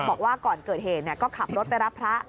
บอกว่าก่อนเกิดเหตุก็ขับรถไปรับพระ